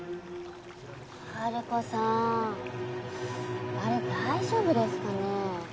ハルコさーんあれ大丈夫ですかね？